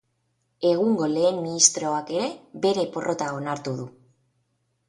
Egungo lehen ministroak ere bere porrota onartu du.